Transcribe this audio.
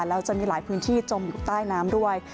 แล้วจะมีหลายพื้นที่จมอยู่ใต้น้ำด้วย